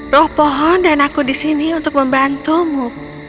roh pohon dan aku di sini untuk membantumu